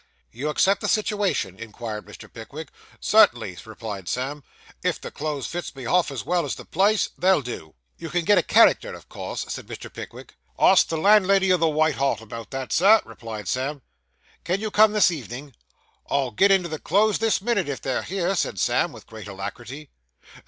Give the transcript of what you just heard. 'You accept the situation?' inquired Mr. Pickwick. 'Cert'nly,' replied Sam. 'If the clothes fits me half as well as the place, they'll do.' 'You can get a character of course?' said Mr. Pickwick. 'Ask the landlady o' the White Hart about that, Sir,' replied Sam. 'Can you come this evening?' 'I'll get into the clothes this minute, if they're here,' said Sam, with great alacrity.